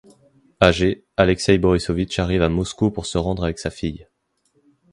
Âgé Alexei Borisovitch arrive à Moscou pour se rendre avec sa fille.